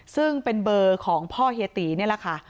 ซึ่งเป็นเบอร์ของพ่อเฮียตีนี่แหละค่ะ